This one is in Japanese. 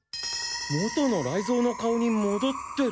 元の雷蔵の顔にもどってる。